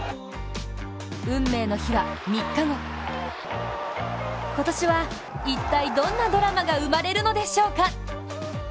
運命の日は３日後、今年は一体どんなドラマが生まれるのでしょうか。